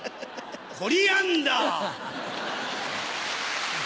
コリアンダー。